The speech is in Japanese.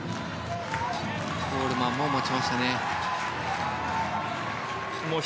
コールマン持ちましたね。